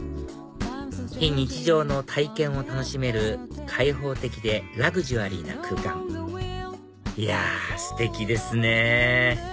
非日常の体験を楽しめる開放的でラグジュアリーな空間いやステキですね